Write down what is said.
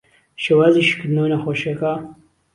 شێوازی شیکردنهوهی نهخۆشییهکه